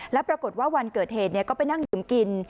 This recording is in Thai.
แล้วปรากฏว่าวันเกิดเหตุก็ไปนั่งดื่มกิน